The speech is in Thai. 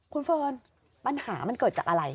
คุณเฟิร์นปัญหามันเกิดจากอะไร